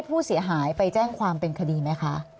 ผู้เสียหายไปแจ้งความเป็นคดีไหมคะ